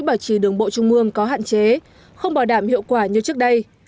bảo trì đường bộ trung mương có hạn chế không bảo đảm hiệu quả như trước đây